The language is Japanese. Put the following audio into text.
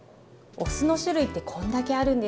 お酢の種類ってこんだけあるんです。